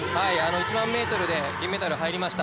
１００００ｍで銀メダル入りました。